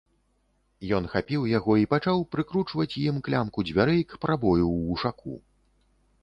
Ён хапіў яго і пачаў прыкручваць ім клямку дзвярэй к прабою ў вушаку.